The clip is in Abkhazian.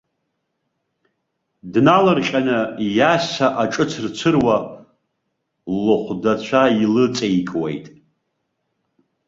Днарылҟьаны, иаса аҿы цырцыруа, лыхәдацәа илыҵеикуеит.